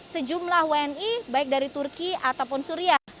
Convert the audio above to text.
sejumlah wni baik dari turki ataupun suriah